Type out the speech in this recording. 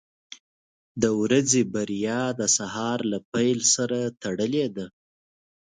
• د ورځې بریا د سهار له پیل سره تړلې ده.